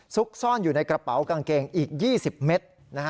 ซุกซ่อนอยู่ในกระเป๋ากางเกงอีก๒๐เมตร